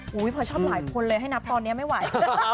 พอชอบหลายคนเลยให้นับตอนนี้ไม่ไหว